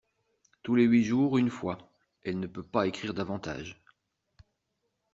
Tous les huit jours une fois ; elle ne peut pas écrire davantage.